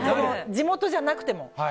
地元じゃなくても。